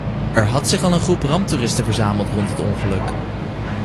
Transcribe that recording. Er had zich al een groep ramptoeristen verzameld rond het ongeluk.